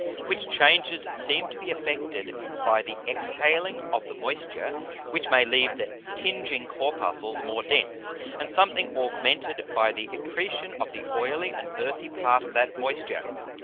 Which Changes seem to be effected by the exhaling of the Moisture which may leave the tinging Corpuscles more dense, and something augmented by the Accretion of the oily and earthy Part of that Moisture.